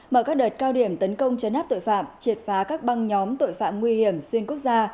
mở các đợt cao điểm tấn công chấn áp tội phạm triệt phá các băng nhóm tội phạm nguy hiểm xuyên quốc gia